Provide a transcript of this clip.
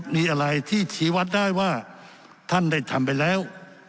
มีอะไรที่ชี้วัดได้ว่าท่านได้ทำไปแล้ว